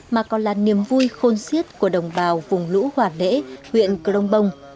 mà còn là niềm vui khôn xiết của đồng bào vùng lũ hòa lễ huyện công bông